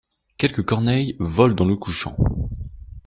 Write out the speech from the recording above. Quelques corneilles volent dans le couchant.